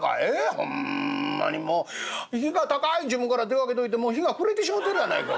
ほんまにもう日が高い時分から出かけといてもう日が暮れてしもてるやないかい。